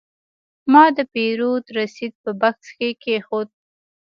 ما د پیرود رسید په بکس کې کېښود.